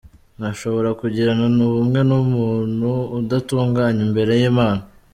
Ntashobora kugirana ubumwe n’umuntu udatunganye imbere y’Imana.